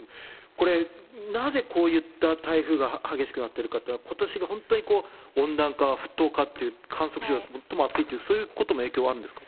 これ、なぜこういった台風が激しくなってるかっていうのは、ことし本当に温暖化、沸騰化、観測史上最も暑いという、そういうことも影響あるんですか。